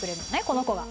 この子が。